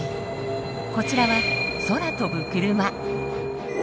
こちらは空飛ぶクルマ。